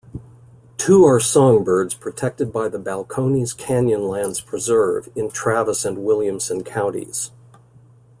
Two are songbirds protected by the Balcones Canyonlands Preserve in Travis and Williamson Counties.